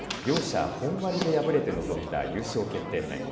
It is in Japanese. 両者、本割で敗れて臨んだ優勝決定戦。